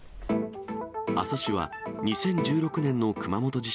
阿蘇市は２０１６年の熊本地